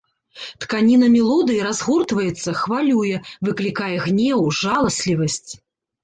Тканіна мелодыі разгортваецца, хвалюе, выклікае гнеў, жаласлівасць.